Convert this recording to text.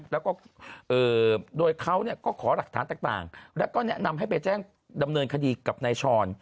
แล้วก็โดยเขาก็ขอหลักฐานต่างแล้วก็แนะนำให้ไปแจ้งดำเนินคดีกับนายชร